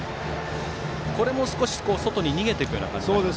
これも少し外に逃げていく感じですか。